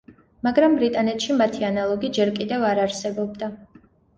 მაგრამ ბრიტანეთში მათი ანალოგი ჯერ კიდევ არ არსებობდა.